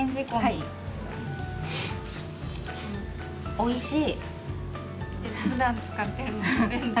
おいしい。